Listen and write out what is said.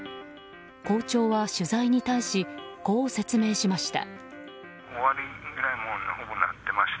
校長は取材に対しこう説明しました。